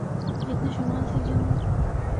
جتنا شمال سے جنوب۔